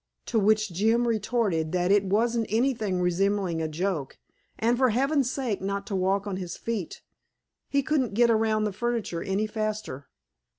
To which Jim retorted that it wasn't anything resembling a joke, and for heaven's sake not to walk on his feet; he couldn't get around the furniture any faster.